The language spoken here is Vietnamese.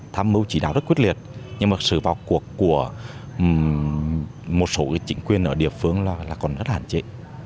tham mưu chỉ đạo rất quyết liệt nhưng mà sự vào cuộc của một số chính quyền ở địa phương là còn rất hạn chế